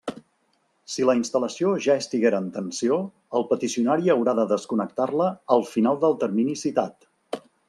Si la instal·lació ja estiguera en tensió, el peticionari haurà de desconnectar-la al final del termini citat.